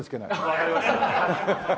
わかりました。